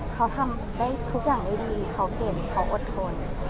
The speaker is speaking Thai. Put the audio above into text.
เขาทำได้ทุกอย่างได้ดีเขาเก่งเขาอดทน